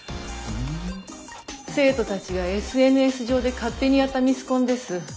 生徒たちがＳＮＳ上で勝手にやったミスコンです。